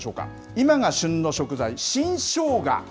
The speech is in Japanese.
今が旬の食材、新しょうが。